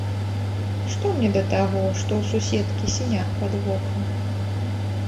Што мне да таго, што ў суседкі сіняк пад вокам?